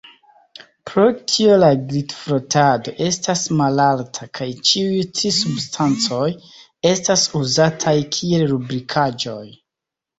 Pro tio la glitfrotado estas malalta kaj ĉiuj tri substancoj estas uzataj kiel lubrikaĵoj.